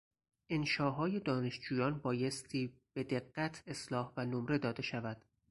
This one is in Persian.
انشاهای دانشجویان بایستی به دقت اصلاح و نمره داده شود.